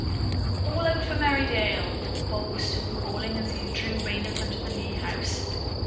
"All out for Merry dale!" Bob was soon calling as he drew rein in front of the Lee house.